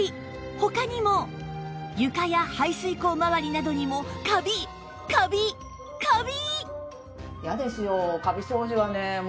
他にも床や排水口周りなどにもカビカビカビ！